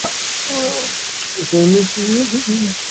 সত্যি বলতে কী, তাঁদের কাছেই প্রথম আমি রানীর বিয়ের খবর জানতে পারি।